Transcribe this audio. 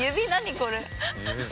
これ。